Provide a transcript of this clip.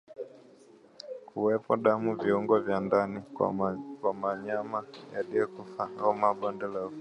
Kuwepo damu viungo vya ndani kwa mnyama aliyekufa na homa ya bonde la ufa